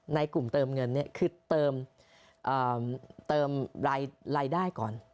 ในกลุ่มเติมเงินคือเติมรายได้ก่อน